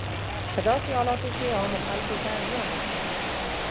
په داسې حالاتو کې عامو خلکو ته زیان رسیږي.